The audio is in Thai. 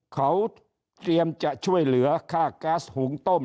เขาเตรียมจะช่วยเหลือค่าก๊าซหุงต้ม